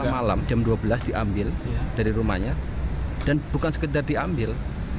malam jam dua belas diambil dari rumahnya dan bukan sekedar diambil